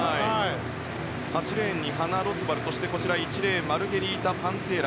８レーンにハナ・ロスバルそして１レーンマルゲリータ・パンツィエラ。